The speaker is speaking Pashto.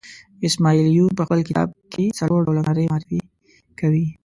اسماعیل یون په خپل کتاب کې څلور ډوله نارې معرفي کوي.